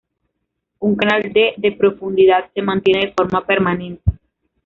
Un canal de de profundidad se mantiene de forma permanente.